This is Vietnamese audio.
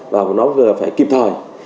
và nó vừa phải kịp thời